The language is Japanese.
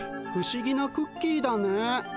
ふしぎなクッキーだね。